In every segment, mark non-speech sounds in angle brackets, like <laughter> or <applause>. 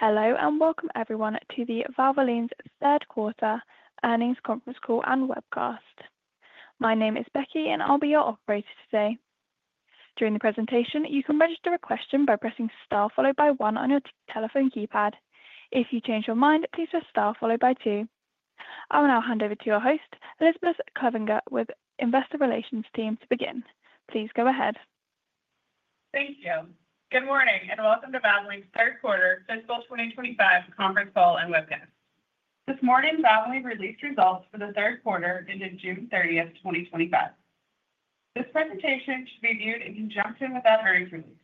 Hello and welcome, everyone, to Valvoline's Third Quarter Earnings Conference Call and Webcast. My name is Becky, and I'll be your operator today. During the presentation, you can register a question by pressing star followed by one on your telephone keypad. If you change your mind, please press star followed by two. I will now hand over to our host, Elizabeth Clevinger, with the Investor Relations team, to begin. Please go ahead. Thank you. Good morning and welcome to Valvoline Inc.'s third quarter 2025 conference call and webcast. This morning, Valvoline Inc. released results for the third quarter dated June 30, 2025. This presentation should be viewed in conjunction with that earnings release,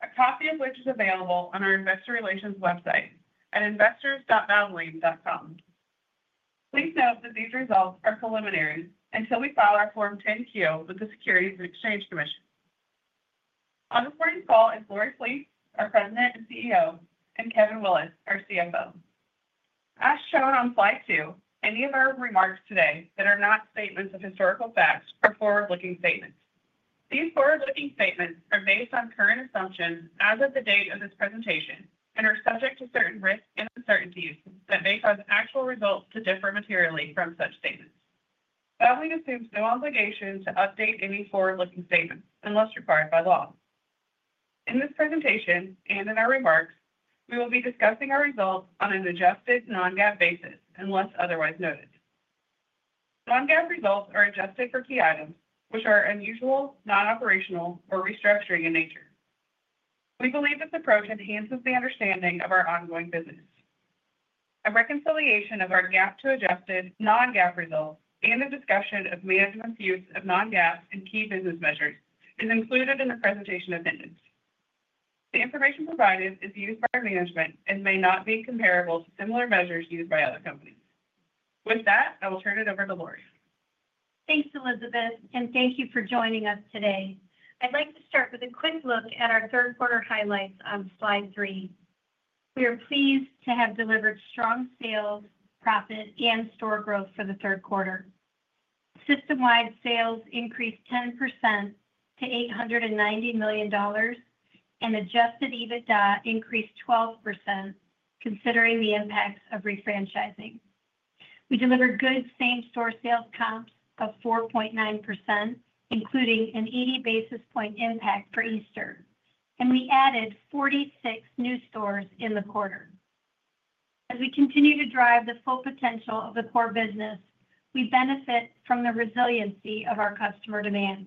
a copy of which is available on our investor relations website at investors.valvoline.com. Please note that these results are preliminary until we file our Form 10-Q with the U.S. Securities and Exchange Commission. On the recording call is Lori Flees, our President and CEO, and Kevin Willis, our CFO. As shown on slide 2, any of our remarks today that are not statements of historical facts are forward-looking statements. These forward-looking statements are based on current assumptions as of the date of this presentation and are subject to certain risks and uncertainties that may cause actual results to differ materially from such statements. Valvoline Inc. assumes no obligation to update any forward-looking statements unless required by law. In this presentation and in our remarks, we will be discussing our results on an adjusted non-GAAP basis unless otherwise noted. Non-GAAP results are adjusted for key items which are unusual, non-operational, or restructuring in nature. We believe this approach enhances the understanding of our ongoing business. A reconciliation of our GAAP to adjusted non-GAAP results and a discussion of management's use of non-GAAP and key business measures is included in the presentation of minutes. The information provided is used by management and may not be comparable to similar measures used by other companies. With that, I will turn it over to Lori. Thanks, Elizabeth, and thank you for joining us today. I'd like to start with a quick look at our third quarter highlights on slide 3. We are pleased to have delivered strong sales, profit, and store growth for the third quarter. System-wide, sales increased 10% to $890 million and adjusted EBITDA increased 12%, considering the impacts of refranchising. We delivered good same-store sales comps of 4.9%, including an 80 basis point impact for Easter, and we added 46 new stores in the quarter. As we continue to drive the full potential of the core business, we benefit from the resiliency of our customer demand.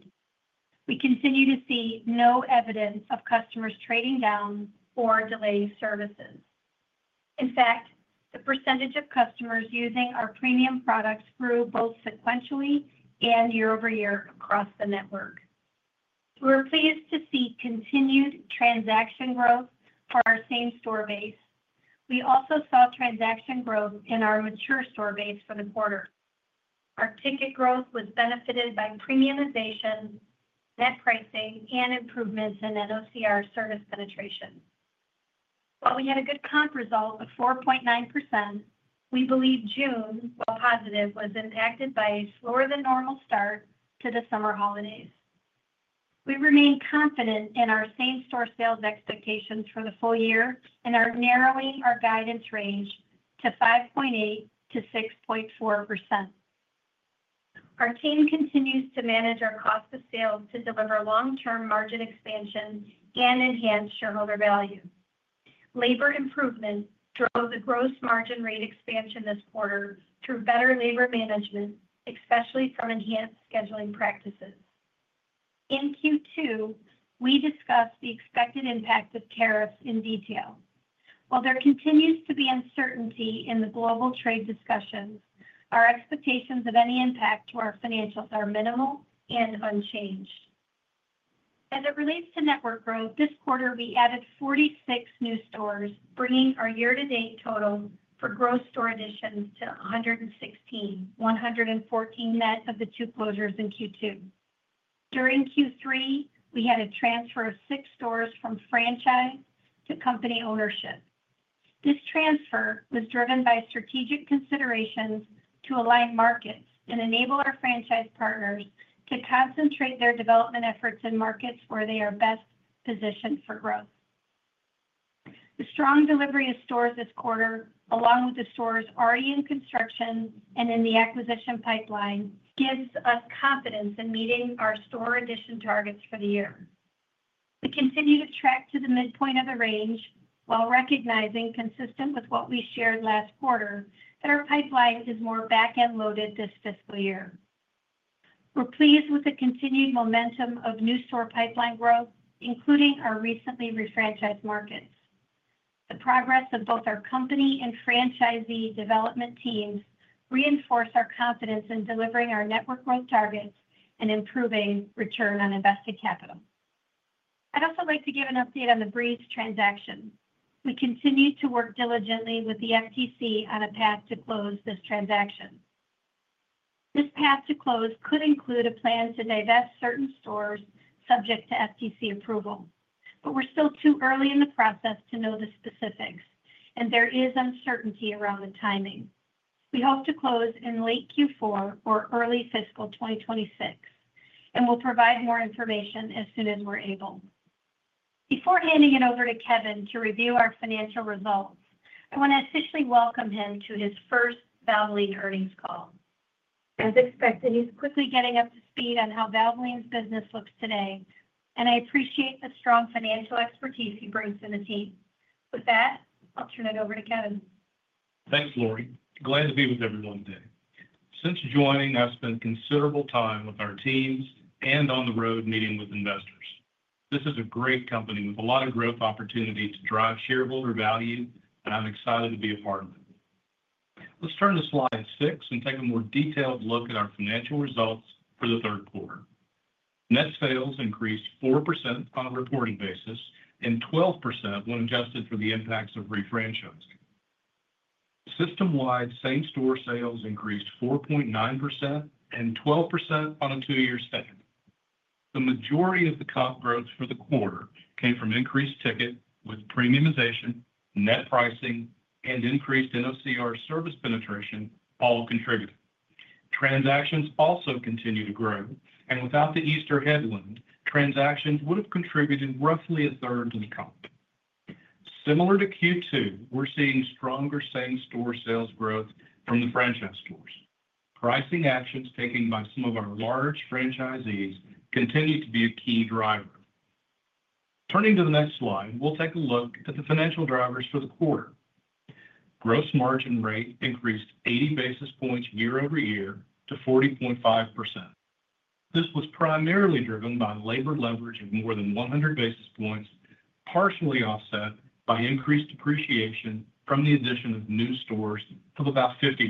We continue to see no evidence of customers trading down or delaying services. In fact, the percentage of customers using our premium products grew both sequentially and year-over-year across the network. We're pleased to see continued transaction growth for our same-store base. We also saw transaction growth in our mature store base for the quarter. Our ticket growth was benefited by premiumization, net pricing, and improvements in NOCR service penetration. While we had a good comp result of 4.9%, we believe June was positive and impacted by a slower-than-normal start to the summer holidays. We remain confident in our same-store sales expectations for the full year and are narrowing our guidance range to 5.8%-6.4%. Our team continues to manage our cost of sales to deliver long-term margin expansion and enhance shareholder value. Labor improvement drove the gross margin rate expansion this quarter through better labor management, especially from enhanced scheduling practices. In Q2, we discussed the expected impact of tariffs in detail. While there continues to be uncertainty in the global trade discussion, our expectations of any impact to our financials are minimal and unchanged. As it relates to network growth, this quarter, we added 46 new stores, bringing our year-to-date total for gross store additions to 116, 114 net of the two closures in Q2. During Q3, we had a transfer of six stores from franchise to company ownership. This transfer was driven by strategic considerations to align markets and enable our franchise partners to concentrate their development efforts in markets where they are best positioned for growth. The strong delivery of stores this quarter, along with the stores already in construction and in the acquisition pipeline, gives us confidence in meeting our store addition targets for the year. We continue to track to the midpoint of the range, while recognizing, consistent with what we shared last quarter, that our pipeline is more back-end loaded this fiscal year. We're pleased with the continued momentum of new store pipeline growth, including our recently refranchised markets. The progress of both our company and franchisee development teams reinforces our confidence in delivering our network growth targets and improving return on invested capital. I'd also like to give an update on the Breeze transaction. We continue to work diligently with the FTC on a path to close this transaction. This path to close could include a plan to divest certain stores subject to FTC approval, but we're still too early in the process to know the specifics, and there is uncertainty around the timing. We hope to close in late Q4 or early fiscal 2026, and we'll provide more information as soon as we're able. Before handing it over to Kevin to review our financial results, I want to officially welcome him to his first Valvoline earnings call. As expected, he's quickly getting up to speed on how Valvoline's business looks today, and I appreciate the strong financial expertise he brings to the team. With that, I'll turn it over to Kevin. Thanks, Lori. Glad to be with everyone today. Since joining, I've spent considerable time with our teams and on the road meeting with investors. This is a great company with a lot of growth opportunity to drive shareholder value, and I'm excited to be a part of it. Let's turn to slide 6 and take a more detailed look at our financial results for the third quarter. Net sales increased 4% on a reporting basis and 12% when adjusted for the impacts of refranchisement. System-wide, same-store sales increased 4.9% and 12% on a two-year span. The majority of the comp growth for the quarter came from increased ticket with premiumization, net pricing, and increased NOCR service penetration, all contributing. Transactions also continue to grow, and without the Easter headwind, transactions would have contributed roughly a third of the comp. Similar to Q2, we're seeing stronger same-store sales growth from the franchise stores. Pricing actions taken by some of our large franchisees continue to be a key driver. Turning to the next slide, we'll take a look at the financial drivers for the quarter. Gross margin rate increased 80 basis points year-over-year to 40.5%. This was primarily driven by labor leverage of more than 100 basis points, partially offset by increased depreciation from the addition of new stores of about 50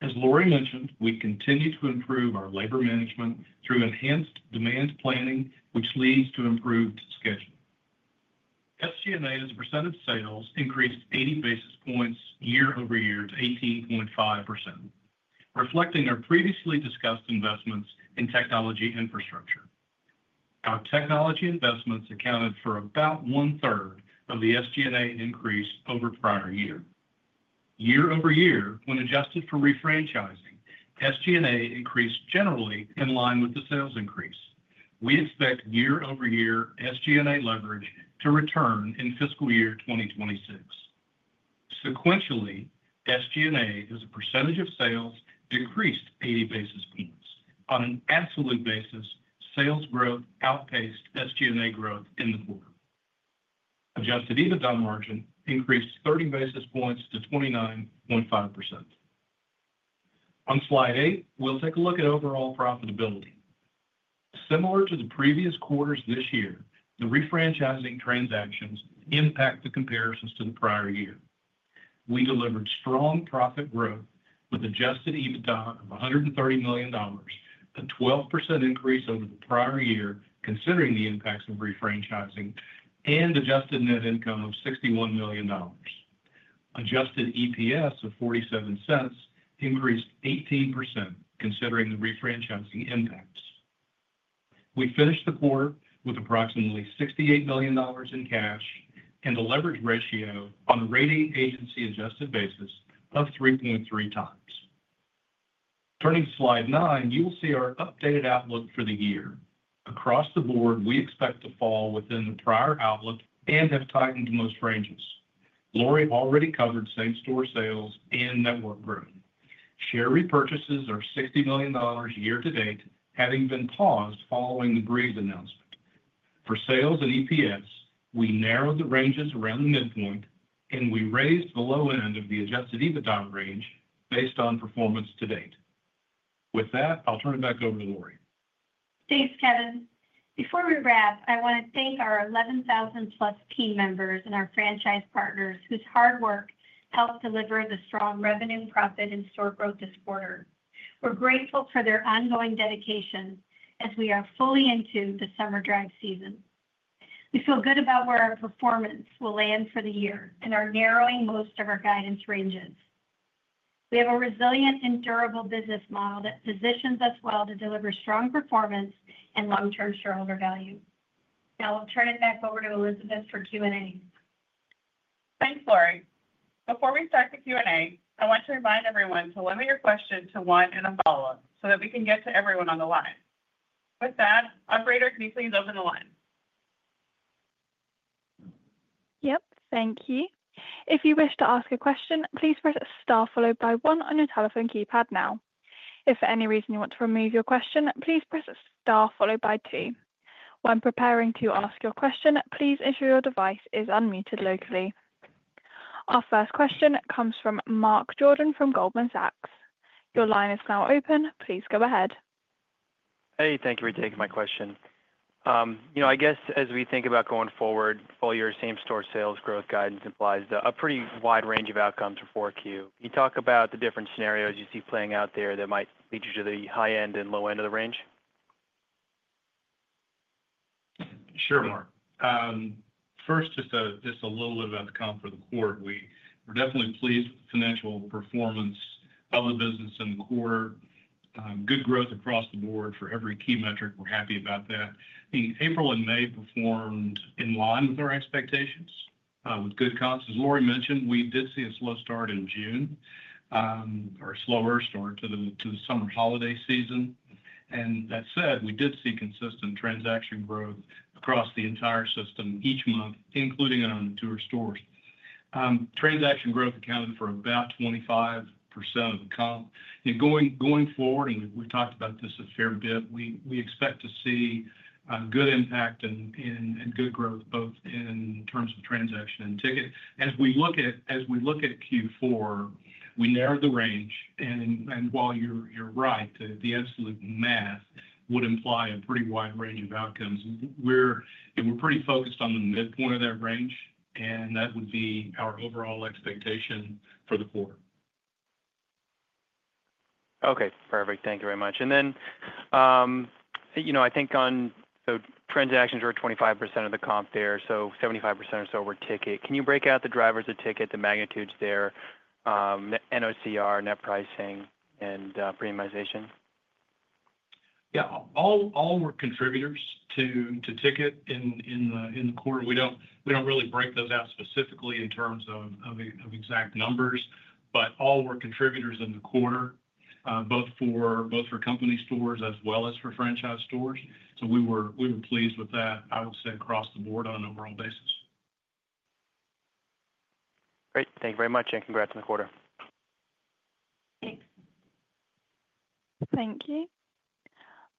basis points. As Lori mentioned, we continue to improve our labor management through enhanced demand planning, which leads to improved scheduling. SG&A as a percent of sales increased 80 basis points year-over-year to 18.5%, reflecting our previously discussed investments in technology infrastructure. Our technology investments accounted for about one-third of the SG&A increase over prior years. year-over-year, when adjusted for refranchising, SG&A increased generally in line with the sales increase. We expect year-over-year SG&A leverage to return in fiscal year 2026. Sequentially, SG&A as a percentage of sales increased 80 basis points. On an absolute basis, sales growth outpaced SG&A growth in the quarter. Adjusted EBITDA margin increased 30 basis points to 29.5%. On slide 8, we'll take a look at overall profitability. Similar to the previous quarters this year, the refranchising transactions impact the comparisons to the prior year. We delivered strong profit growth with adjusted EBITDA of $130 million, a 12% increase over the prior year, considering the impacts of refranchising, and adjusted net income of $61 million. Adjusted EPS of $0.47 increased 18%, considering the refranchising impacts. We finished the quarter with approximately $68 million in cash and a leverage ratio on a rating agency-adjusted basis of 3.3 times. Turning to slide 9, you'll see our updated outlook for the year. Across the board, we expect to fall within the prior outlook and have tightened the most ranges. Lori already covered same-store sales and network growth. Share repurchases are $60 million year to date, having been paused following the Breeze announcement. For sales and EPS, we narrowed the ranges around the midpoint, and we raised the low end of the adjusted EBITDA range based on performance to date. With that, I'll turn it back over to Lori. Thanks, Kevin. Before we wrap, I want to thank our 11,000+team members and our franchise partners whose hard work helped deliver the strong revenue, profit, and store growth this quarter. We're grateful for their ongoing dedication as we are fully into the summer drive season. We feel good about where our performance will land for the year and are narrowing most of our guidance ranges. We have a resilient and durable business model that positions us well to deliver strong performance and long-term shareholder value. Now, I'll turn it back over to Elizabeth for Q&A. Thanks, Lori. Before we start the Q&A, I want to remind everyone to limit your questions to one in the poll so that we can get to everyone on the line. With that, operator, can you please open the line? Thank you. If you wish to ask a question, please press star followed by one on your telephone keypad now. If for any reason you want to remove your question, please press star followed by two. When preparing to ask your question, please ensure your device is unmuted locally. Our first question comes from Mark Jordan from Goldman Sachs. Your line is now open. Please go ahead. Thank you for taking my question. As we think about going forward, full-year same-store sales growth guidance implies a pretty wide range of outcomes for Q4. Can you talk about the different scenarios you see playing out there that might lead you to the high end and low end of the range? Sure, Mark. First, just a little bit about the comp for the quarter. We're definitely pleased with the financial performance of the business in the quarter. Good growth across the board for every key metric. We're happy about that. I think April and May performed in line with our expectations, with good comps. As Lori mentioned, we did see a slow start in June, a slower start to the summer holiday season. That said, we did see consistent transaction growth across the entire system each month, including on our stores. Transaction growth accounted for about 25% of the comp. Going forward, and we've talked about this a fair bit, we expect to see a good impact and good growth both in terms of transaction and ticket. As we look at Q4, we narrowed the range, and while you're right, the absolute math would imply a pretty wide range of outcomes, we're pretty focused on the midpoint of that range, and that would be our overall expectation for the quarter. Okay, perfect. Thank you very much. I think on the transactions, we’re 25% of the comp there, so 75% or so were ticket. Can you break out the drivers of ticket, the magnitudes there, NOCR, net pricing, and premiumization? Yeah, all were contributors to ticket in the quarter. We don't really break those out specifically in terms of exact numbers, but all were contributors in the quarter, both for company stores as well as for franchise stores. We were pleased with that, I would say, across the board on an overall basis. Great. Thank you very much, and congrats on the quarter. Thank you.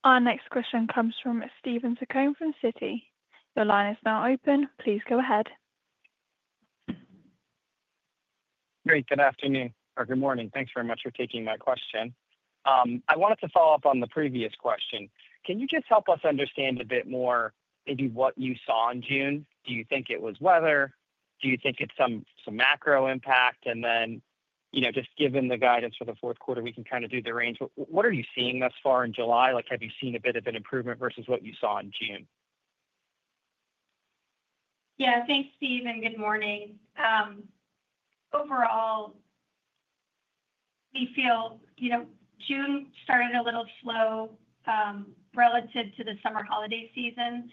Our next question comes from Steven Zaccone from Citi. Your line is now open. Please go ahead. Great. Good afternoon, or good morning. Thanks very much for taking my question. I wanted to follow up on the previous question. Can you just help us understand a bit more, maybe what you saw in June? Do you think it was weather? Do you think it's some macro impact? Just given the guidance for the fourth quarter, we can kind of do the range. What are you seeing thus far in July? Have you seen a bit of an improvement versus what you saw in June? Yeah, thanks, Steve, and good morning. Overall, we feel June started a little slow relative to the summer holiday season.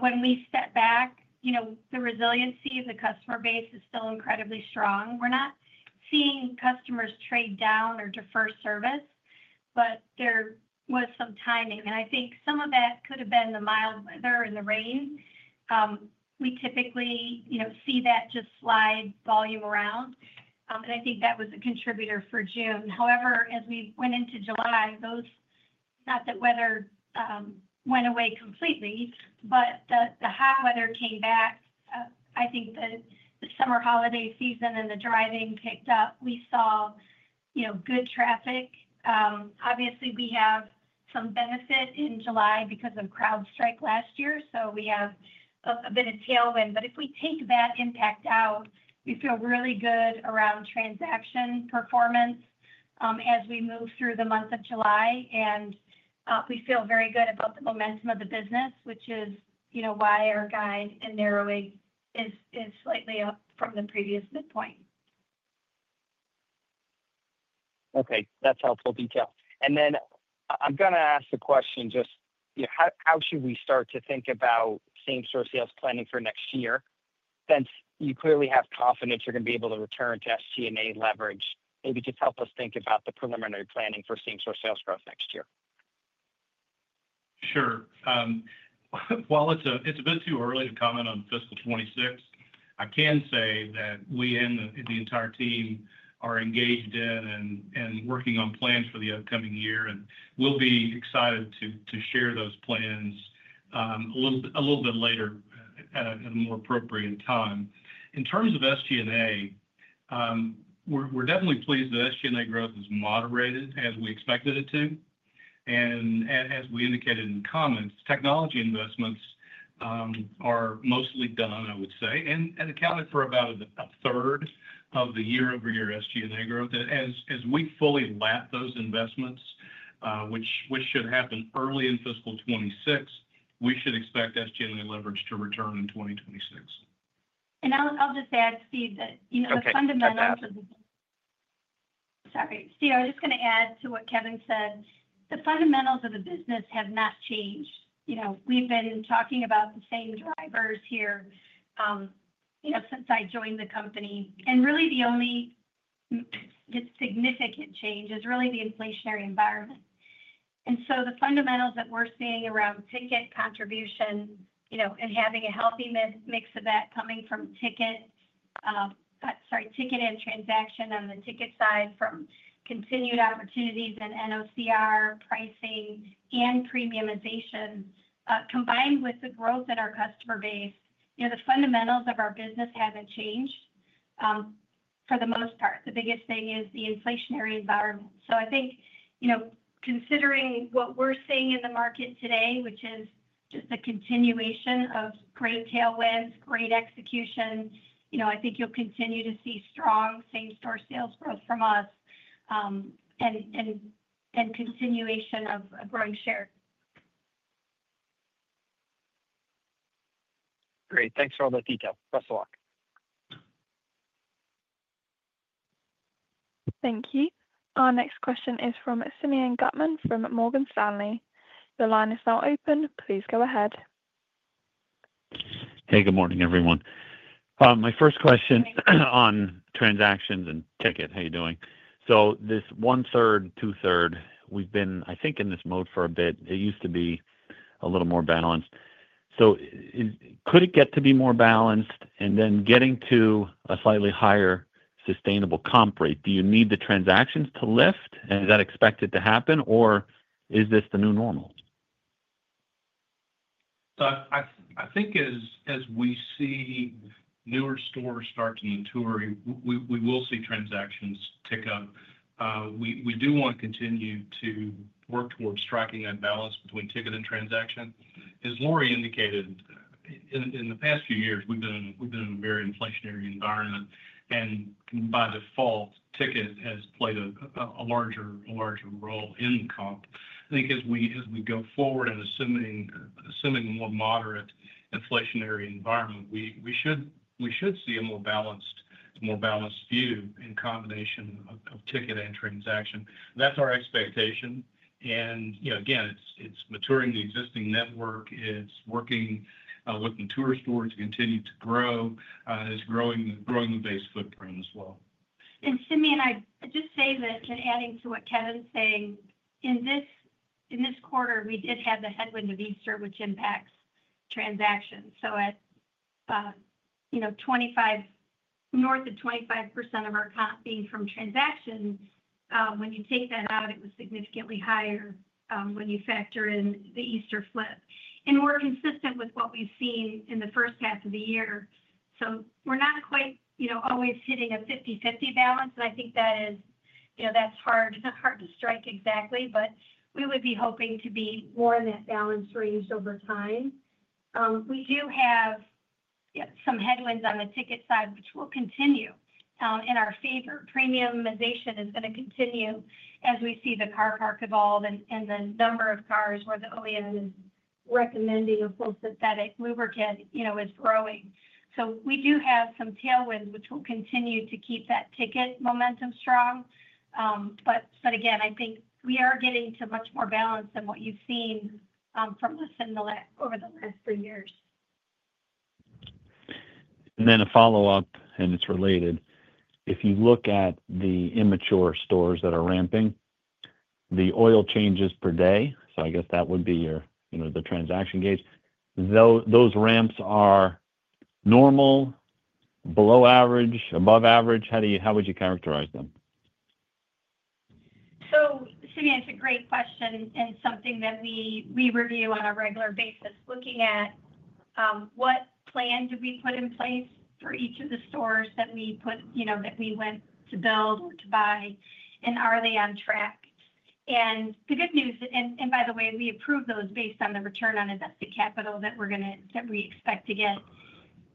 When we step back, the resiliency of the customer base is still incredibly strong. We're not seeing customers trade down or defer service, but there was some timing. I think some of that could have been the mild weather and the rain. We typically see that just slide volume around, and I think that was a contributor for June. However, as we went into July, not that weather went away completely, but the hot weather came back. I think that the summer holiday season and the driving picked up. We saw good traffic. Obviously, we have some benefit in July because of crowd strike last year, so we have a bit of tailwind. If we take that impact out, we feel really good around transaction performance as we move through the month of July. We feel very good about the momentum of the business, which is why our guide and narrowing is slightly up from the previous midpoint. Okay, that's helpful detail. I'm going to ask a question just, you know, how should we start to think about same-store sales planning for next year? Since you clearly have confidence you're going to be able to return to SG&A leverage, maybe just help us think about the preliminary planning for same-store sales growth next year. Sure. While it's a bit too early to comment on fiscal 2026, I can say that we and the entire team are engaged in and working on plans for the upcoming year, and we'll be excited to share those plans a little bit later at a more appropriate time. In terms of SG&A, we're definitely pleased that SG&A growth has moderated as we expected it to. As we indicated in comments, technology investments are mostly done, I would say, and accounted for about a third of the year-over-year SG&A growth. As we fully lap those investments, which should happen early in fiscal 2026, we should expect SG&A leverage to return in 2026. I'll just add, Steve. <crosstalk> Steve, I'm just going to add to what Kevin has said, the fundamentals of the business have not changed. We've been talking about the same drivers here since I joined the company. The only significant change is really the inflationary environment. The fundamentals that we're seeing around ticket contribution, and having a healthy mix of that coming from ticket and transaction on the ticket side from continued opportunities and NOCR pricing and premiumization, combined with the growth in our customer base, the fundamentals of our business haven't changed for the most part. The biggest thing is the inflationary environment. I think, considering what we're seeing in the market today, which is just a continuation of great tailwinds, great execution, I think you'll continue to see strong same-store sales growth from us and continuation of growing share. Great. Thanks for all the detail. Best of luck. Thank you. Our next question is from Simeon Gutman from Morgan Stanley. Your line is now open. Please go ahead. Hey, good morning, everyone. My first question on transactions and ticket. How are you doing? This one-third, two-third, we've been in this mode for a bit. It used to be a little more balanced. Could it get to be more balanced, and then getting to a slightly higher sustainable comp rate? Do you need the transactions to lift, and is that expected to happen, or is this the new normal? I think as we see newer stores starting and touring, we will see transactions tick up. We do want to continue to work towards tracking that balance between ticket and transaction. As Lori indicated, in the past few years, we've been in a very inflationary environment. By default, ticket has played a larger role in the comp. I think as we go forward and assuming a more moderate inflationary environment, we should see a more balanced view in combination of ticket and transaction. That's our expectation. Again, it's maturing the existing network. It's working to our stores to continue to grow and is growing the base footprint as well. Simeon, I just say this in adding to what Kevin's saying, in this quarter, we did have the headwind of Easter, which impacts transactions. At, you know, 25% north of 25% of our comp being from transaction, when you take that out, it was significantly higher when you factor in the Easter flip. We're consistent with what we've seen in the first half of the year. We're not quite, you know, always hitting a 50/50 balance. I think that is, you know, that's hard to strike exactly, but we would be hoping to be more in that balance range over time. We do have, yep, some headwinds on the ticket side, which will continue in our favor. Premiumization is going to continue as we see the car park evolve and the number of cars where the OEM is recommending a full synthetic lubricant, you know, is growing. We do have some tailwinds, which will continue to keep that ticket momentum strong. Again, I think we are getting to much more balance than what you've seen from us over the last three years. A follow-up, and it's related. If you look at the immature stores that are ramping, the oil changes per day, so I guess that would be your, you know, the transaction gauge. Those ramps are normal, below average, above average? How would you characterize them? Simeon, it's a great question and something that we review on a regular basis, looking at what plans we put in place for each of the stores that we went to build or to buy and are they on track. The good news, by the way, is we approve those based on the return on invested capital that we expect to get.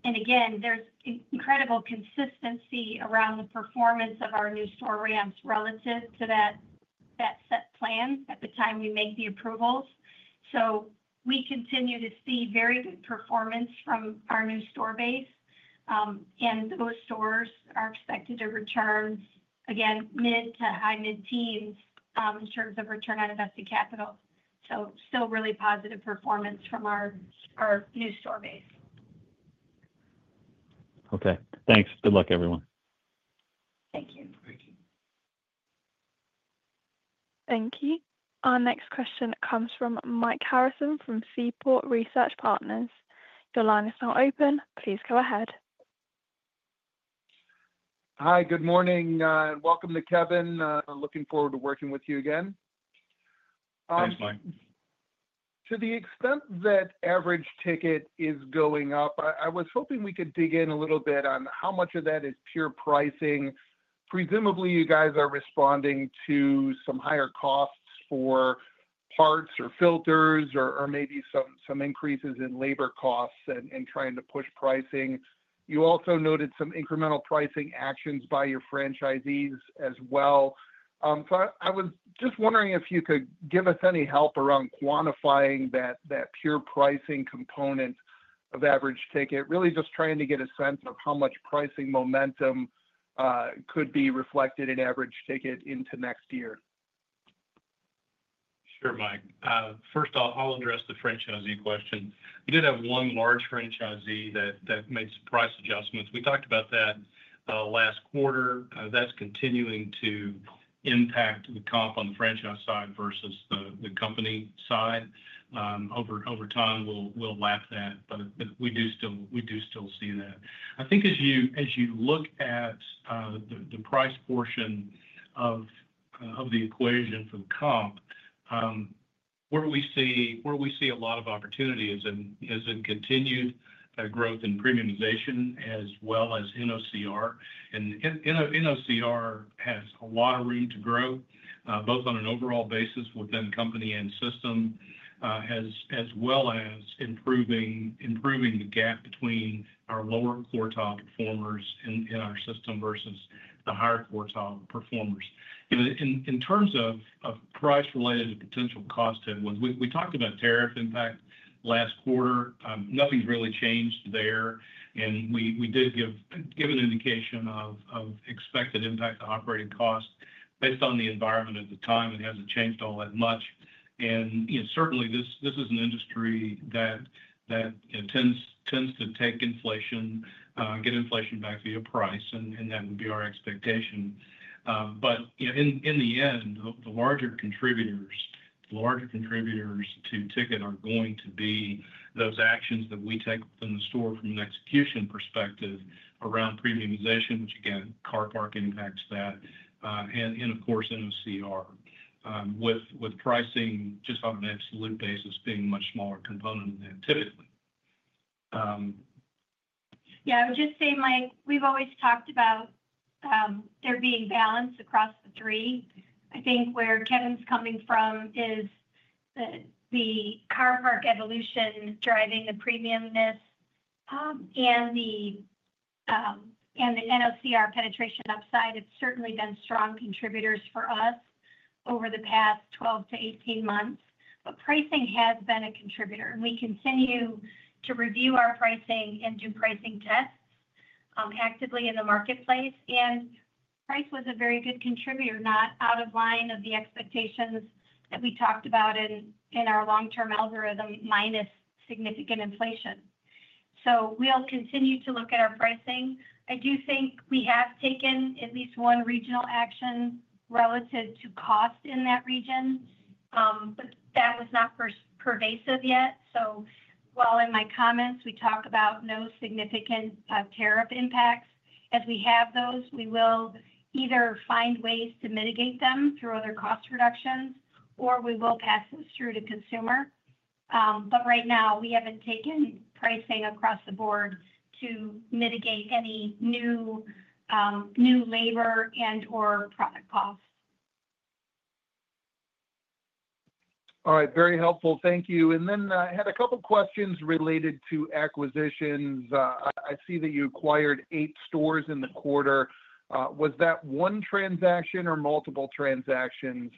There's incredible consistency around the performance of our new store ramps relative to that set plan at the time we make the approvals. We continue to see very good performance from our new store base, and those stores are expected to return, again, mid to high mid-teens in terms of return on invested capital. Still really positive performance from our new store base. Okay, thanks. Good luck, everyone. Thank you. Our next question comes from Mike Harrison from Seaport Research Partners. Your line is now open. Please go ahead. Hi, good morning. Welcome to Kevin. I'm looking forward to working with you again. Thank, Mike. To the extent that average ticket is going up, I was hoping we could dig in a little bit on how much of that is pure pricing. Presumably, you guys are responding to some higher costs for parts or filters or maybe some increases in labor costs and trying to push pricing. You also noted some incremental pricing actions by your franchisees as well. I was just wondering if you could give us any help around quantifying that pure pricing component of average ticket, really just trying to get a sense of how much pricing momentum could be reflected in average ticket into next year. Sure, Mike. First, I'll address the franchisee question. We did have one large franchisee that makes price adjustments. We talked about that last quarter. That's continuing to impact the comp on the franchise side versus the company side. Over time, we'll lap that, but we do still see that. I think as you look at the price portion of the equation from comp, where we see a lot of opportunities is in continued growth and premiumization, as well as NOCR. NOCR has a lot of room to grow, both on an overall basis within the company and system, as well as improving the gap between our lower quartile performers in our system versus the higher quartile performers. In terms of price-related and potential cost, we talked about tariff impact last quarter. Nothing's really changed there. We did give an indication of expected impact to operating costs based on the environment at the time. It hasn't changed all that much. This is an industry that tends to take inflation, get inflation back via price, and that would be our expectation. In the end, the larger contributors to ticket are going to be those actions that we take from the store from an execution perspective around premiumization, which again, car park impacts that. Of course, NOCR with pricing just on an absolute basis being a much smaller component than that typically. Yeah, I would just say, Mike, we've always talked about there being balance across the three. I think where Kevin's coming from is the car park evolution driving the premiumness and the NOCR penetration upside. It's certainly been strong contributors for us over the past 12-18 months. Pricing has been a contributor, and we continue to review our pricing and do pricing tests actively in the marketplace. Price was a very good contributor, not out of line of the expectations that we talked about in our long-term algorithm minus significant inflation. We'll continue to look at our pricing. I do think we have taken at least one regional action relative to cost in that region, but that was not pervasive yet. While in my comments, we talk about no significant tariff impacts, as we have those, we will either find ways to mitigate them through other cost reductions, or we will pass those through to consumer. Right now, we haven't taken pricing across the board to mitigate any new labor and/or product costs. All right, very helpful. Thank you. I had a couple of questions related to acquisitions. I see that you acquired eight stores in the quarter. Was that one transaction or multiple transactions?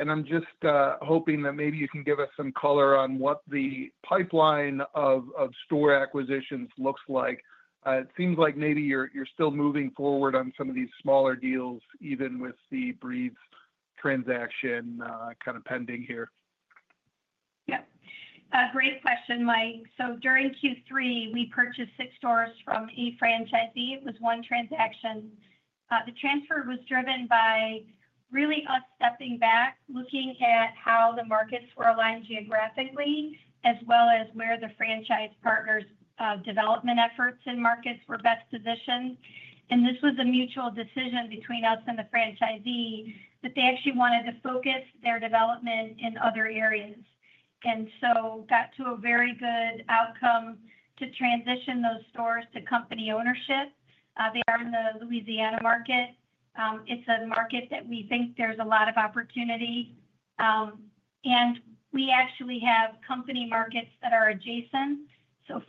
I'm just hoping that maybe you can give us some color on what the pipeline of store acquisitions looks like. It seems like maybe you're still moving forward on some of these smaller deals, even with the Breeze transaction kind of pending here. Great question, Mike. During Q3, we purchased six stores from eight franchisees. It was one transaction. The transfer was driven by us stepping back, looking at how the markets were aligned geographically, as well as where the franchise partners' development efforts and markets were best positioned. This was a mutual decision between us and the franchisee that they actually wanted to focus their development in other areas. We got to a very good outcome to transition those stores to company ownership. They are in the Louisiana market. It's a market that we think there's a lot of opportunity. We actually have company markets that are adjacent.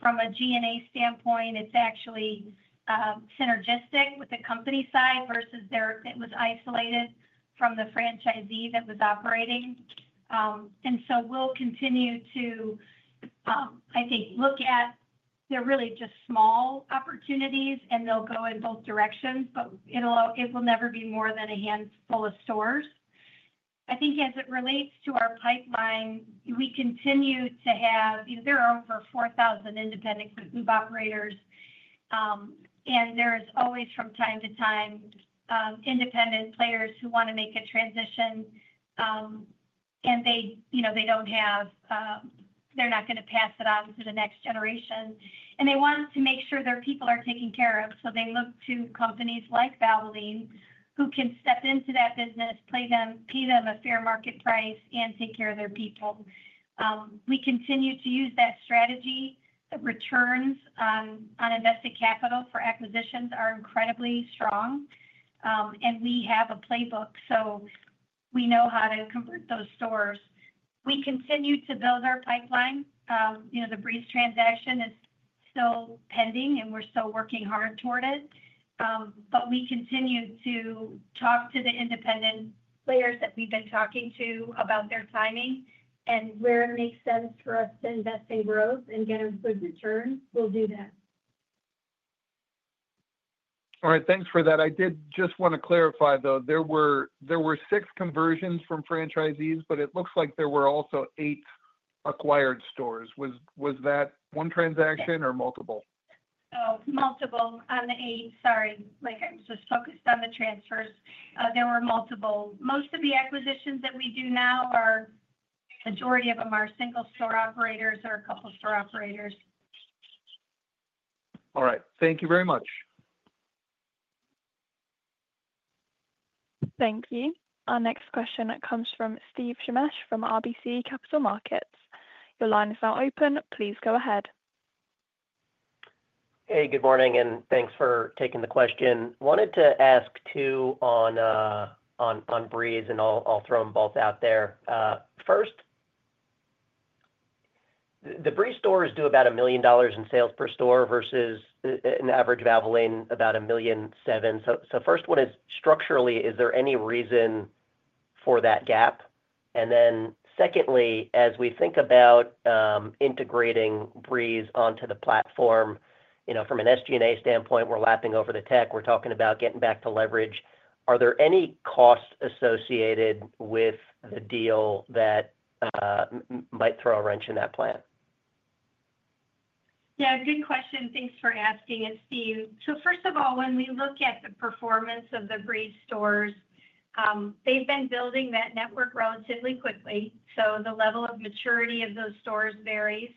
From a G&A standpoint, it's actually synergistic with the company side versus their operation. It was isolated from the franchisee that was operating. We'll continue to look at these really just small opportunities, and they'll go in both directions, but it will never be more than a handful of stores. As it relates to our pipeline, we continue to have over 4,000 independent group operators, and there's always, from time to time, independent players who want to make a transition. They don't have, they're not going to pass it on to the next generation. They want to make sure their people are taken care of. They look to companies like Valvoline who can step into that business, pay them a fair market price, and take care of their people. We continue to use that strategy. The returns on invested capital for acquisitions are incredibly strong. We have a playbook, so we know how to convert those stores. We continue to build our pipeline. The Breeze transaction is still pending, and we're still working hard toward it. We continue to talk to the independent players that we've been talking to about their timing and where it makes sense for us to invest in growth and get a good return. We'll do that. All right, thanks for that. I did just want to clarify, though, there were six conversions from franchisees, but it looks like there were also eight acquired stores. Was that one transaction or multiple? Oh, multiple on the eight. Sorry, I was just focused on the transfers. There were multiple. Most of the acquisitions that we do now, a majority of them are single-store operators or a couple of store operators. All right, thank you very much. Thank you. Our next question comes from Steven Shemesh from RBC Capital Markets. Your line is now open. Please go ahead. Hey, good morning, and thanks for taking the question. I wanted to ask two on Breeze, and I'll throw them both out there. First, the Breeze stores do about $1 million in sales per store versus an average Valvoline, about $1.7 million. First one is, structurally, is there any reason for that gap? Secondly, as we think about integrating Breeze onto the platform, you know, from an SG&A standpoint, we're lapping over the tech. We're talking about getting back to leverage. Are there any costs associated with the deal that might throw a wrench in that plan? Yeah, good question. Thanks for asking. It's Steve. First of all, when we look at the performance of the Breeze stores, they've been building that network relatively quickly. The level of maturity of those stores varies,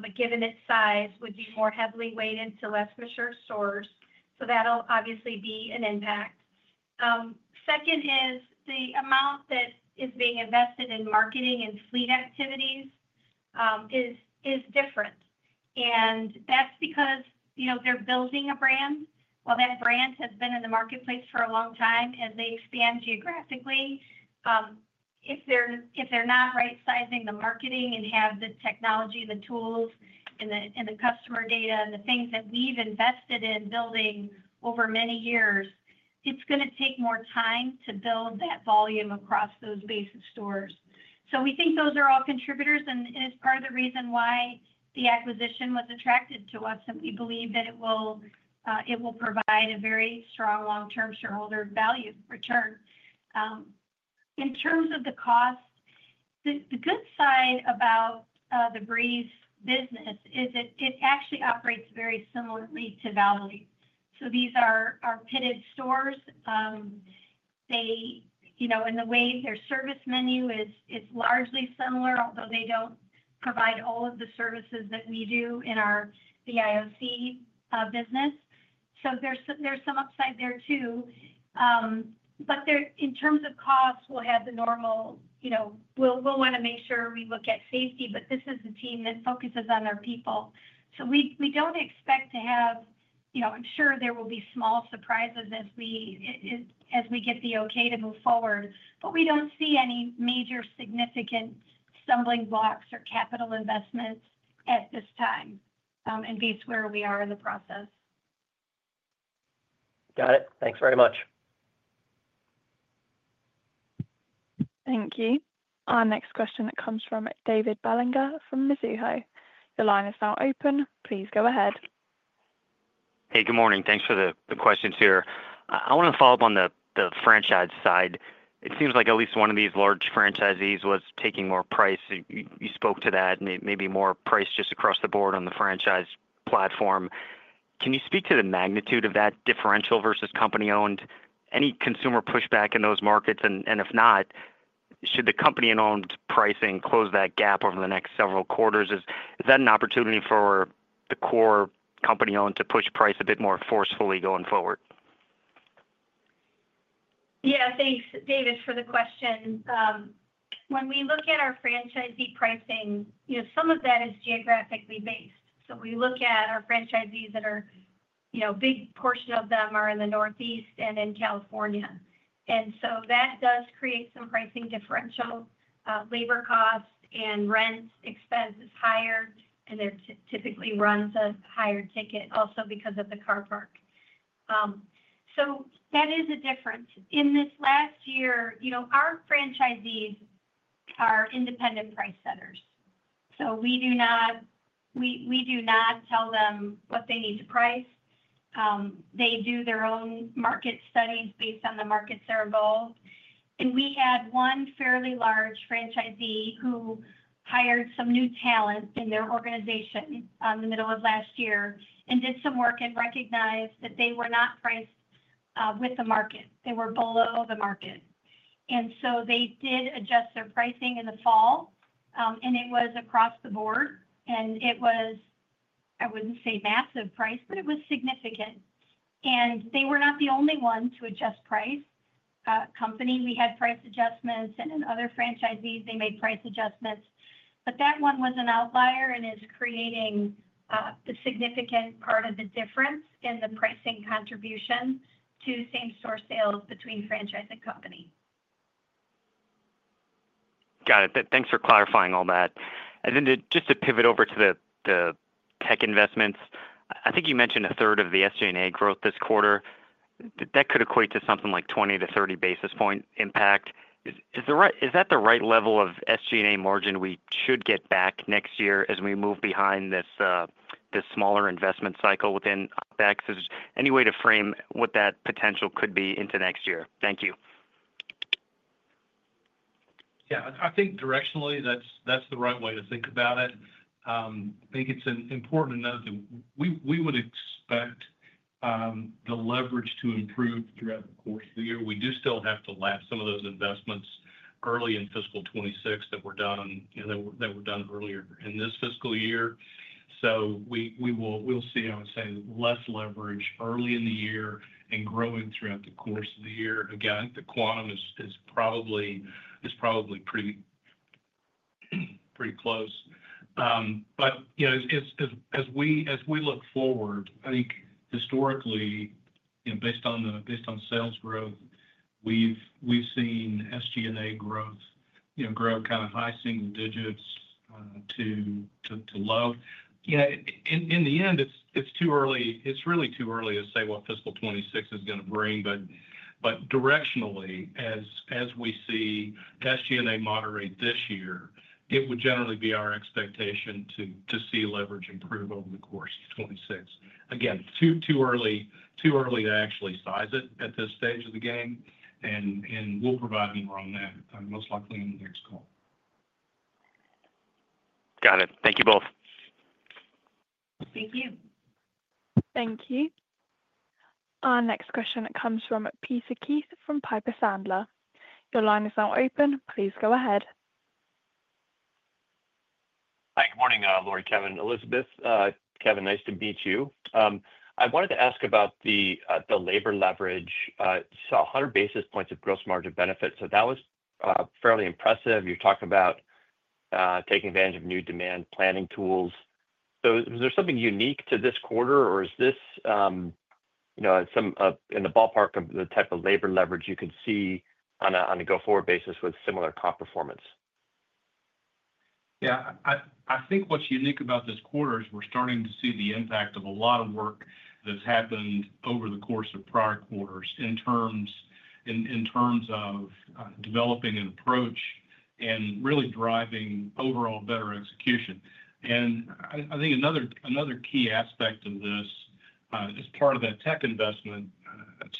but given its size, would be more heavily weighted to less mature stores. That will obviously be an impact. Second is the amount that is being invested in marketing and fleet activities is different. That's because they're building a brand. That brand has been in the marketplace for a long time, and they expand geographically. If they're not right-sizing the marketing and have the technology, the tools, and the customer data, and the things that we've invested in building over many years, it's going to take more time to build that volume across those basis stores. We think those are all contributors, and it's part of the reason why the acquisition was attractive to us, and we believe that it will provide a very strong long-term shareholder value return. In terms of the cost, the good side about the Breeze business is that it actually operates very similarly to Valvoline. These are pitted stores. In the way their service menu is largely similar, although they don't provide all of the services that we do in our Valvoline Instant Oil Change business. There's some upside there too. In terms of cost, we'll have the normal, we'll want to make sure we look at safety, but this is a team that focuses on our people. We don't expect to have, I'm sure there will be small surprises as we get the okay to move forward. We don't see any major significant stumbling blocks or capital investment at this time, and based where we are in the process. Got it. Thanks very much. Thank you. Our next question comes from David Bellinger from Mizuho. Your line is now open. Please go ahead. Hey, good morning. Thanks for the questions here. I want to follow up on the franchise side. It seems like at least one of these large franchisees was taking more price. You spoke to that, and it may be more price just across the board on the franchise platform. Can you speak to the magnitude of that differential versus company-owned? Any consumer pushback in those markets? If not, should the company-owned pricing close that gap over the next several quarters? Is that an opportunity for the core company-owned to push price a bit more forcefully going forward? Yeah, thanks, David, for the question. When we look at our franchisee pricing, some of that is geographically based. We look at our franchisees that are, you know, a big portion of them are in the Northeast and in California. That does create some pricing differential. Labor costs and rent expense are higher, and there typically runs a higher ticket also because of the car park. That is a difference. In this last year, our franchisees are independent price setters. We do not tell them what they need to price. They do their own market studies based on the markets they're involved. We had one fairly large franchisee who hired some new talent in their organization in the middle of last year and did some work and recognized that they were not priced with the market. They were below the market. They did adjust their pricing in the fall, and it was across the board. It was, I wouldn't say massive price, but it was significant. They were not the only one to adjust price. Company, we had price adjustments, and in other franchisees, they made price adjustments. That one was an outlier and is creating a significant part of the difference in the pricing contribution to same-store sales between franchise and company. Got it. Thanks for clarifying all that. Just to pivot over to the tech investments, I think you mentioned a third of the SG&A growth this quarter. That could equate to something like a 20 basis points-30 basis point impact. Is that the right level of SG&A margin we should get back next year as we move behind this smaller investment cycle within OpEx? Is there any way to frame what that potential could be into next year? Thank you. Yeah, I think directionally, that's the right way to think about it. I think it's important to note that we would expect the leverage to improve throughout the course of the year. We do still have to lap some of those investments early in fiscal 2026 that were done earlier in this fiscal year. We will see, I would say, less leverage early in the year and growing throughout the course of the year. Again, the quantum is probably pretty close. As we look forward, I think historically, based on the sales growth, we've seen SG&A growth grow kind of high single digits to low. In the end, it's really too early to say what fiscal 2026 is going to bring. Directionally, as we see the SG&A moderate this year, it would generally be our expectation to see leverage improve over the course of 2026. Again, too early to actually size it at this stage of the game. We'll provide more on that most likely in the next call. Got it. Thank you both. Thank you. Thank you. Our next question comes from Peter Keith from Piper Sandler. Your line is now open. Please go ahead. Hi, good morning, Lori, Kevin, Elizabeth. Kevin, nice to meet you. I wanted to ask about the labor leverage. It's 100 basis points of gross margin benefit. That was fairly impressive. You're talking about taking advantage of new demand planning tools. Was there something unique to this quarter, or is this in the ballpark of the type of labor leverage you could see on a go-forward basis with similar comp performance? I think what's unique about this quarter is we're starting to see the impact of a lot of work that's happened over the course of prior quarters in terms of developing an approach and really driving overall better execution. I think another key aspect of this is part of the tech investment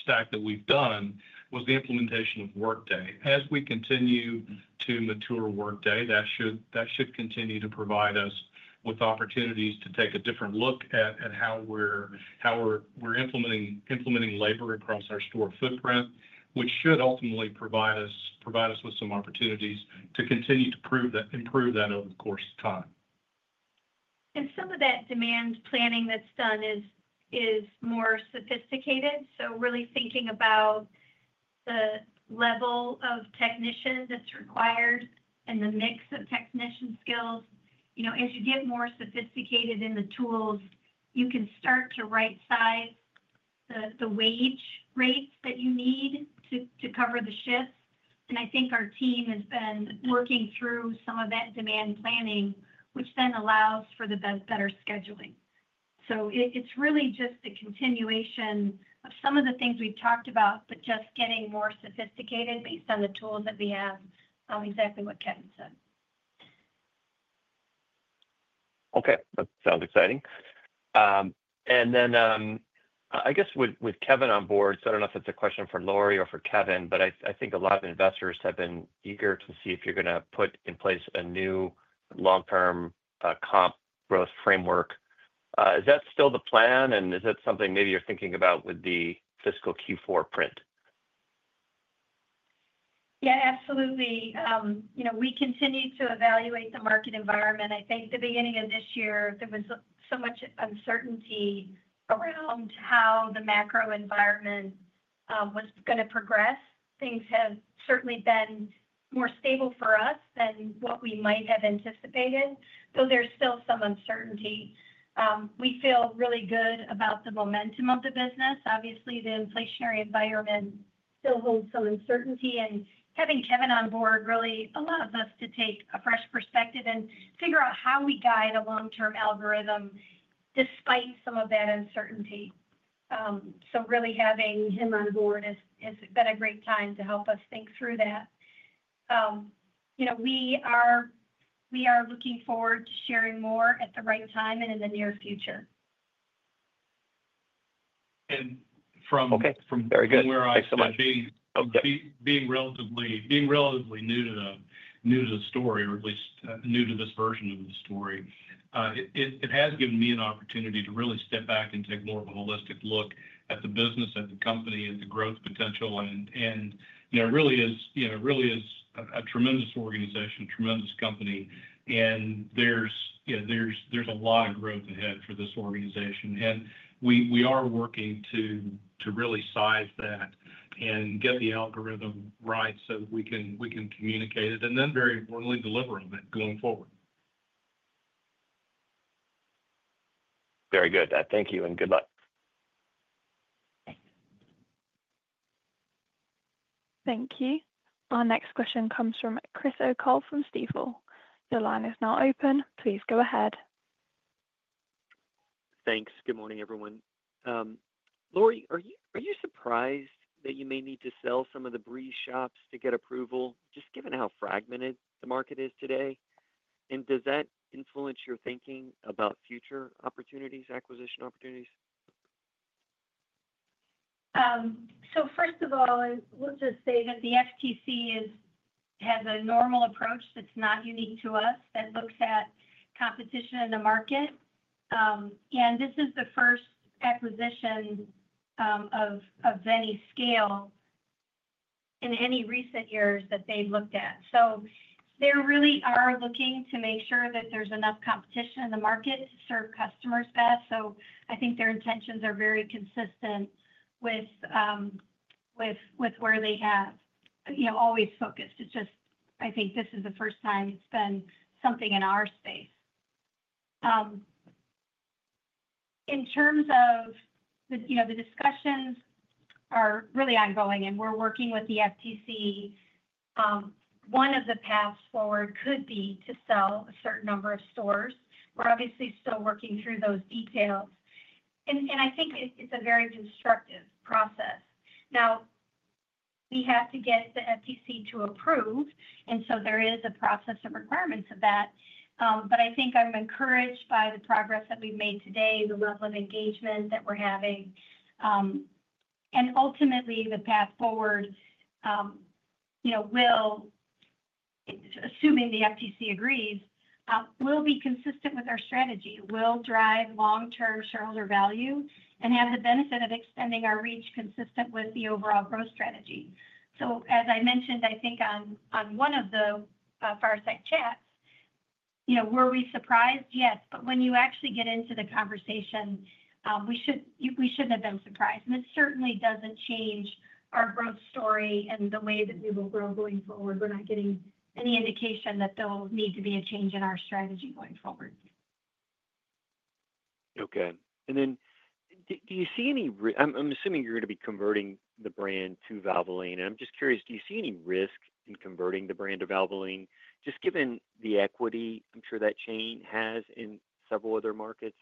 stack that we've done was the implementation of Workday. As we continue to mature Workday, that should continue to provide us with opportunities to take a different look at how we're implementing labor across our store footprint, which should ultimately provide us with some opportunities to continue to improve that over the course of time. Some of that demand planning that's done is more sophisticated. Really thinking about the level of technicians that's required and the mix of technician skills. You know, as you get more sophisticated in the tools, you can start to right-size the wage rates that you need to cover the shift. I think our team has been working through some of that demand planning, which then allows for the better scheduling. It's really just the continuation of some of the things we've talked about, but just getting more sophisticated based on the tools that we have on exactly what Kevin said. Okay, that sounds exciting. I guess with Kevin on board, I don't know if it's a question for Lori or for Kevin, but I think a lot of investors have been eager to see if you're going to put in place a new long-term comp growth framework. Is that still the plan, and is that something maybe you're thinking about with the fiscal Q4 print? Yeah, absolutely. We continue to evaluate the market environment. I think the beginning of this year, there was so much uncertainty around how the macro environment was going to progress. Things have certainly been more stable for us than what we might have anticipated, though there's still some uncertainty. We feel really good about the momentum of the business. Obviously, the inflationary environment still holds some uncertainty, and having Kevin on board really allows us to take a fresh perspective and figure out how we guide a long-term algorithm despite some of that uncertainty. Having him on board has been a great time to help us think through that. We are looking forward to sharing more at the right time and in the nearest future. From where I come from, being relatively new to the story or at least new to this version of the story, it has given me an opportunity to really step back and take more of a holistic look at the business, at the company, at the growth potential. It really is a tremendous organization, tremendous company. There is a lot of growth ahead for this organization. We are working to really size that and get the algorithm right so we can communicate it and then, very importantly, deliver on it going forward. Very good. Thank you and good luck. Thank you. Our next question comes from Chris O'Cull from Stifel. Your line is now open. Please go ahead. Thanks. Good morning, everyone. Lori, are you surprised that you may need to sell some of the Breeze shops to get approval, just given how fragmented the market is today? Does that influence your thinking about future opportunities, acquisition opportunities? First of all, I will just say that the FTC has a normal approach that's not unique to us that looks at competition in the market. This is the first acquisition of any scale in any recent years that they've looked at. They really are looking to make sure that there's enough competition in the market to serve customers best. I think their intentions are very consistent with where they have always focused. I think this is the first time it's been something in our space. In terms of the discussions, they are really ongoing, and we're working with the FTC. One of the paths forward could be to sell a certain number of stores. We're obviously still working through those details. I think it's a very constructive process. We have to get the FTC to approve, and there is a process of requirements for that. I think I'm encouraged by the progress that we've made today, the level of engagement that we're having, and ultimately the path forward, assuming the FTC agrees, will be consistent with our strategy, will drive long-term shareholder value, and have the benefit of extending our reach consistent with the overall growth strategy. As I mentioned, I think on one of the fireside chats, were we surprised? Yes. When you actually get into the conversation, we shouldn't have been surprised. It certainly doesn't change our growth story and the way that we will grow going forward. We're not getting any indication that there'll need to be a change in our strategy going forward. Okay. Do you see any, I'm assuming you're going to be converting the brand to Valvoline. I'm just curious, do you see any risk in converting the brand to Valvoline, just given the equity I'm sure that chain has in several other markets?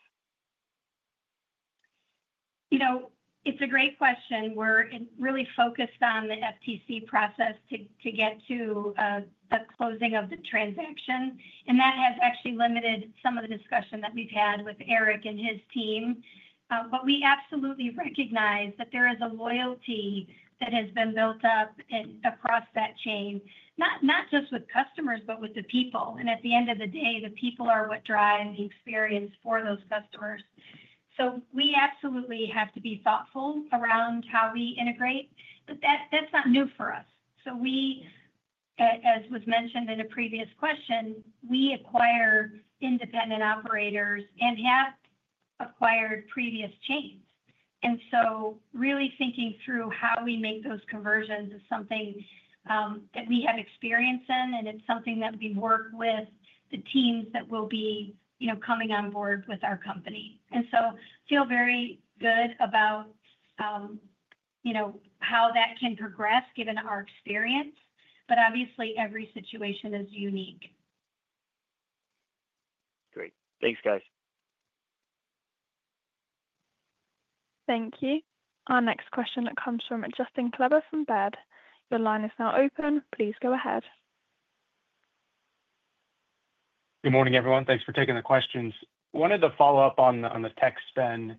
It's a great question. We're really focused on the FTC process to get to a closing of the transaction. That has actually limited some of the discussion that we've had with Eric and his team. We absolutely recognize that there is a loyalty that has been built up across that chain, not just with customers, but with the people. At the end of the day, the people are what drive the experience for those customers. We absolutely have to be thoughtful around how we integrate. That's not new for us. As was mentioned in a previous question, we acquire independent operators and have acquired previous chains. Really thinking through how we make those conversions is something that we have experience in, and it's something that we work with the teams that will be coming on board with our company. I feel very good about how that can progress given our experience. Obviously, every situation is unique. Great. Thanks, guys. Thank you. Our next question comes from Justin Kleber from Baird. Your line is now open. Please go ahead. Good morning, everyone. Thanks for taking the questions. I wanted to follow up on the tech spend,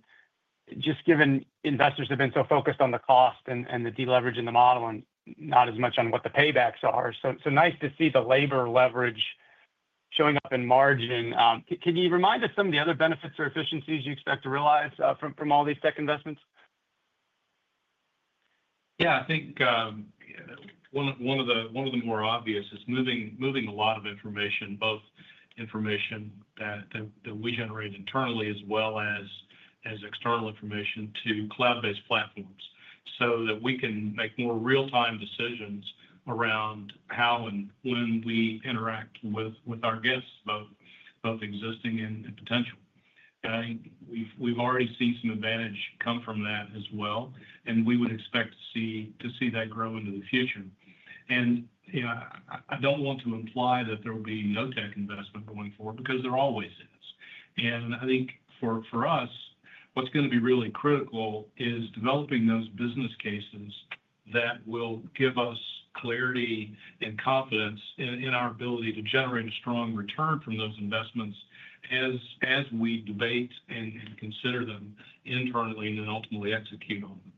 just given investors have been so focused on the cost and the deleveraging the model and not as much on what the paybacks are. It's nice to see the labor leverage showing up in margin. Can you remind us some of the other benefits or efficiencies you expect to realize from all these tech investments? Yeah, I think one of the more obvious is moving a lot of information, both information that we generate internally as well as external information, to cloud-based platforms so that we can make more real-time decisions around how and when we interact with our guests, both existing and potential. I think we've already seen some advantage come from that as well. We would expect to see that grow into the future. I don't want to imply that there will be no tech investment going forward because there always is. I think for us, what's going to be really critical is developing those business cases that will give us clarity and confidence in our ability to generate a strong return from those investments as we debate and consider them internally and then ultimately execute on them.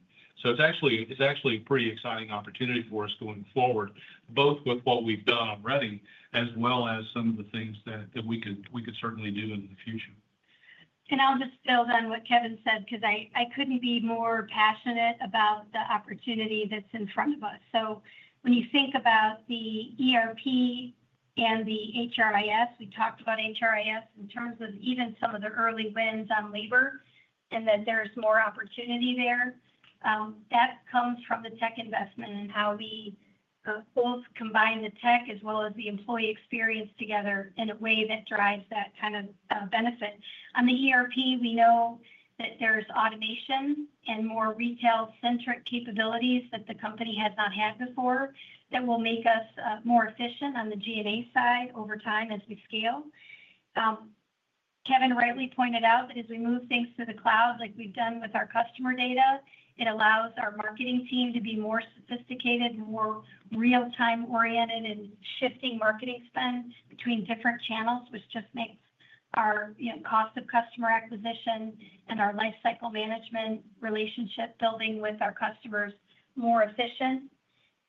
It's actually a pretty exciting opportunity for us going forward, both with what we've done already, as well as some of the things that we could certainly do in the future. I will just build on what Kevin said because I couldn't be more passionate about the opportunity that's in front of us. When you think about the ERP and the HRIS, we talked about HRIS in terms of even some of the early wins on labor, and that there's more opportunity there. That comes from the tech investment and how we both combine the tech as well as the employee experience together in a way that drives that kind of benefit. On the ERP, we know that there's automation and more retail-centric capabilities that the company has not had before that will make us more efficient on the G&A side over time as we scale. Kevin rightly pointed out that as we move things to the cloud, like we've done with our customer data, it allows our marketing team to be more sophisticated and more real-time oriented in shifting marketing spend between different channels, which just makes our cost of customer acquisition and our lifecycle management relationship building with our customers more efficient.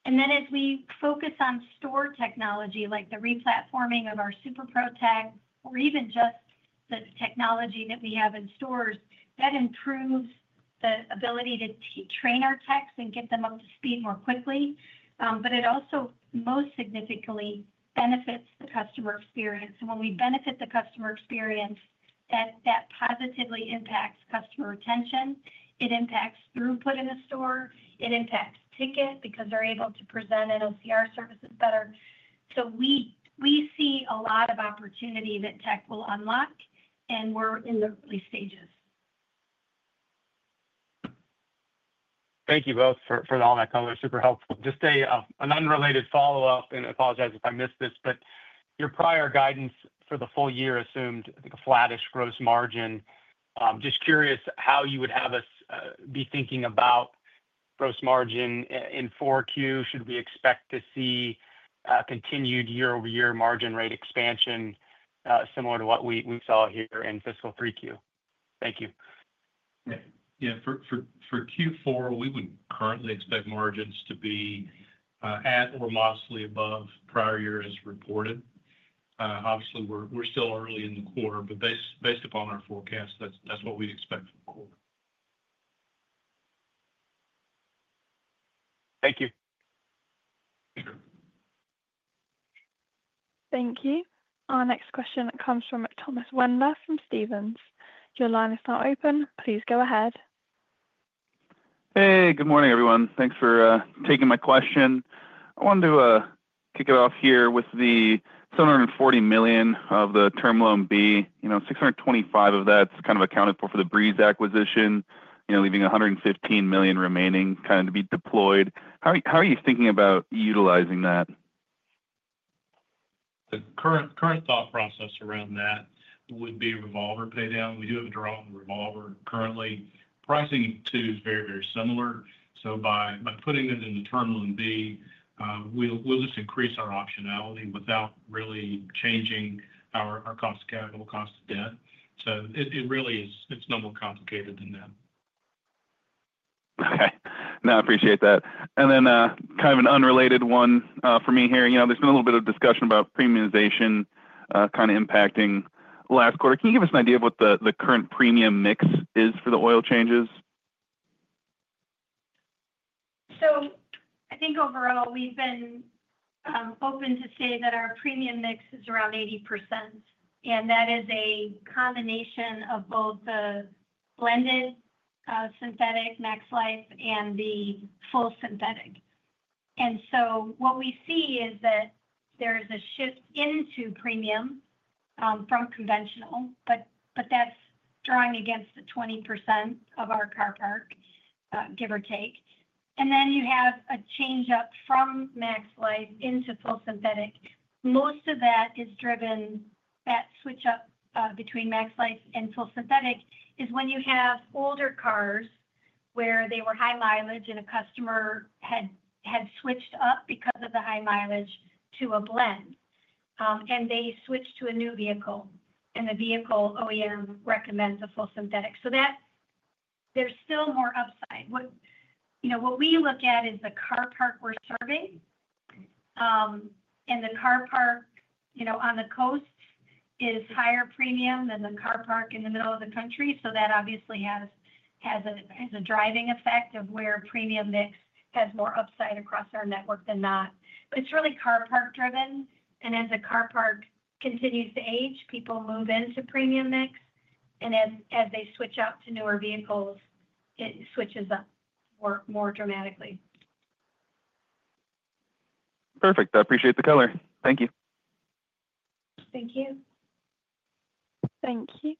As we focus on store technology, like the replatforming of our Super Pro Tech, or even just the technology that we have in stores, that improves the ability to train our techs and get them up to speed more quickly. It also most significantly benefits the customer experience. When we benefit the customer experience, that positively impacts customer retention. It impacts throughput in the store. It impacts ticket because they're able to present and NOCR services better. We see a lot of opportunity that tech will unlock, and we're in the early stages. Thank you both for all that coverage. Super helpful. Just an unrelated follow-up, and I apologize if I missed this, but your prior guidance for the full year assumed a flattish gross margin. I'm just curious how you would have us be thinking about gross margin in 4Q. Should we expect to see a continued year-over-year margin rate expansion similar to what we saw here in fiscal 3Q? Thank you. Yeah, for Q4, we would highly expect margins to be at or modestly above prior year as reported. Obviously, we're still early in the quarter, but based upon our forecast, that's what we expect for the quarter. Thank you. Thank you. Our next question comes from Thomas Wendler from Stephens. Your line is now open. Please go ahead. Hey, good morning, everyone. Thanks for taking my question. I wanted to kick it off here with the $740 million of the Term Loan B. You know, $625 million of that's kind of accounted for for the Breeze acquisition, you know, leaving $115 million remaining kind of to be deployed. How are you thinking about utilizing that? The current thought process around that would be revolver paydown. We do have a draw on revolver currently. Pricing too is very, very similar. By putting it in the Term Loan B, we'll just increase our optionality without really changing our cost of capital, cost of debt. It really is, it's not more complicated than that. Okay. I appreciate that. Then kind of an unrelated one for me here. You know, there's been a little bit of discussion about premiumization kind of impacting last quarter. Can you give us an idea of what the current premium mix is for the oil changes? I think overall, we've been hoping to say that our premium mix is around 80%. That is a combination of both the blended synthetic MaxLife and the full synthetic. What we see is that there's a shift into premium from conventional, but that's drawing against the 20% of our car park, give or take. You have a change-up from MaxLife into full synthetic. Most of that is driven at switch-up between MaxLife and full synthetic when you have older cars where they were high mileage and a customer had switched up because of the high mileage to a blend. They switch to a new vehicle, and the vehicle OEM recommends a full synthetic. There's still more upside. What we look at is the car park we're serving. The car park on the coast is higher premium than the car park in the middle of the country. That obviously has a driving effect of where premium mix has more upside across our network than not. It's really car park driven. As the car park continues to age, people move into premium mix. As they switch out to newer vehicles, it switches up more dramatically. Perfect. I appreciate the color. Thank you. Thank you. Thank you.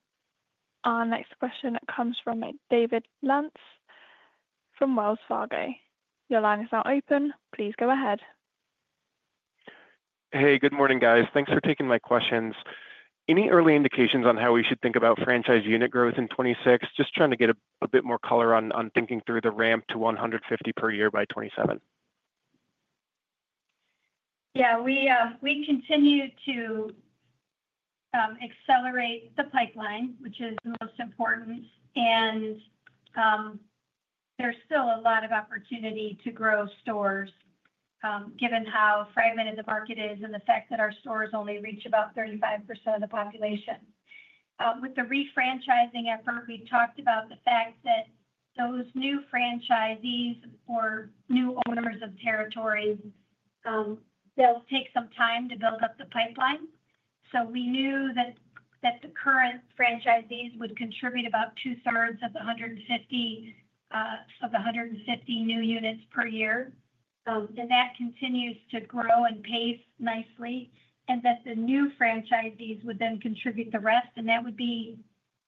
Our next question comes from David Lantz from Wells Fargo. Your line is now open. Please go ahead. Hey, good morning, guys. Thanks for taking my questions. Any early indications on how we should think about franchise unit growth in 2026? Just trying to get a bit more color on thinking through the ramp to 150 per year by 2027. Yeah, we continue to accelerate the pipeline, which is the most important. There's still a lot of opportunity to grow stores, given how fragmented the market is and the fact that our stores only reach about 35% of the population. With the refranchising effort, we've talked about the fact that those new franchisees or new owners of territory, they'll take some time to build up the pipeline. We knew that the current franchisees would contribute about two-thirds of the 150 new units per year. That continues to grow and pace nicely. The new franchisees would then contribute the rest, and that would be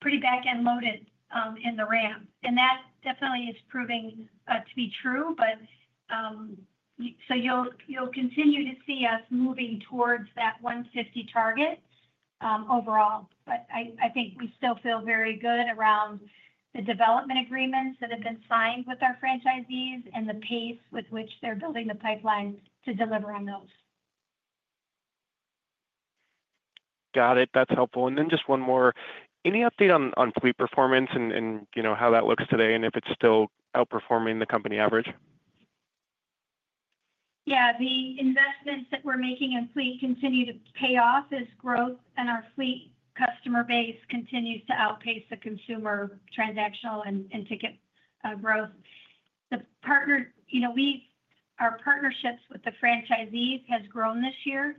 pretty back-end loaded in the ramp. That definitely is proving to be true. You'll continue to see us moving towards that 150 target overall. I think we still feel very good around the development agreements that have been signed with our franchisees and the pace with which they're building the pipeline to deliver on those. Got it. That's helpful. Just one more. Any update on fleet performance and how that looks today and if it's still outperforming the company average? Yeah, the investments that we're making in fleet continue to pay off as growth in our fleet customer base continues to outpace the consumer transactional and ticket growth. The partnerships with the franchisees have grown this year.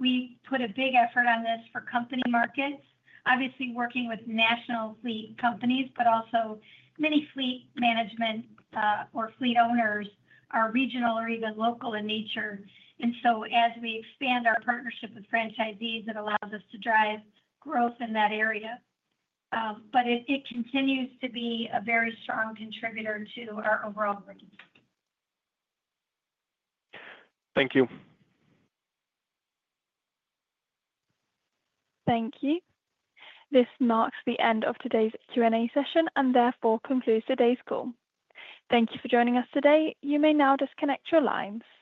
We put a big effort on this for company markets, obviously working with national fleet companies, but also many fleet management or fleet owners are regional or even local in nature. As we expand our partnership with franchisees, it allows us to drive growth in that area. It continues to be a very strong contributor to our overall business. Thank you Thank you. This marks the end of today's Q&A session and therefore concludes today's call. Thank you for joining us today. You may now disconnect your lines.